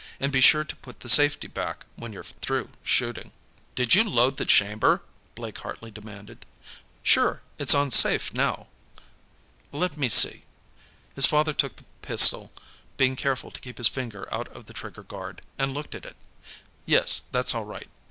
And be sure to put the safety back when you're through shooting." "Did you load the chamber?" Blake Hartley demanded. "Sure. It's on safe, now." "Let me see." His father took the pistol, being careful to keep his finger out of the trigger guard, and looked at it. "Yes, that's all right."